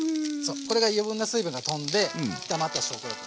これが余分な水分が飛んで炒まった証拠。